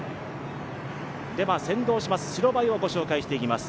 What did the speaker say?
先導します白バイをご紹介していきます。